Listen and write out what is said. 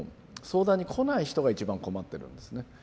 相談に来ない人が一番困ってるんですね。